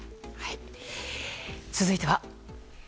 続いては。